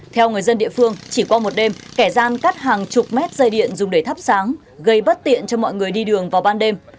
theo người dân địa phương chỉ qua một đêm kẻ gian cắt hàng chục mét dây điện dùng để thắp sáng gây bất tiện cho mọi người đi đường vào ban đêm